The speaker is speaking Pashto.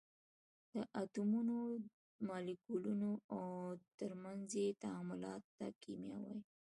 د اتومونو، مالیکولونو او تر منځ یې تعاملاتو ته کېمیا وایي.